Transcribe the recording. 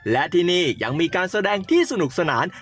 และที่นี่ยังมีการแสดงที่สนุกสนาน